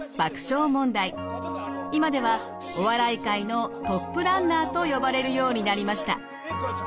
今ではお笑い界のトップランナーと呼ばれるようになりました。